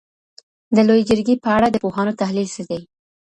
د لویې جرګي په اړه د پوهانو تحلیل څه دی؟